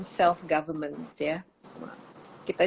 kita jadi pemerintah sendiri ya